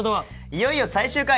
いよいよ最終回。